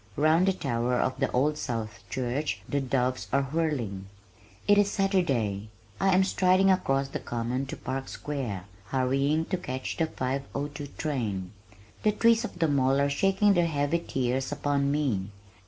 Round the tower of the Old South Church the doves are whirling. It is Saturday. I am striding across the Common to Park Square, hurrying to catch the 5:02 train. The trees of the Mall are shaking their heavy tears upon me.